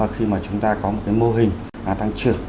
khi mà chúng ta có một cái mô hình tăng trưởng